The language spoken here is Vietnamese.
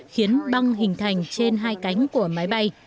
khiến băng hình thành trên hai cánh của máy bay